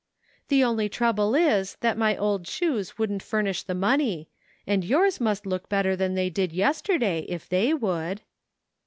"The only trouble is that my old shoes wouldn't furnish the money ; and yours must look better than they did yesterday, if they would."